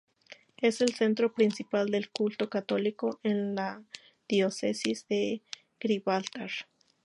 Es el centro principal del culto católico en la diócesis de Gibraltar.